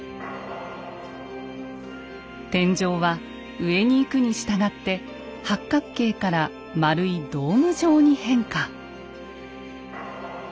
天井は上に行くにしたがって八角形から丸いドーム状に変化。